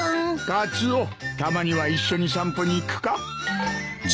カツオたまには一緒に散歩に行くか？